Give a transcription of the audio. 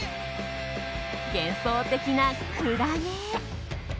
幻想的なクラゲ。